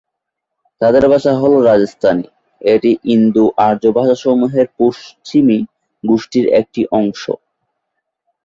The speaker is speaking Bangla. তাদের ভাষা হল রাজস্থানী, এটি ইন্দো-আর্য ভাষাসমূহের পশ্চিমী গোষ্ঠীর একটি অংশ।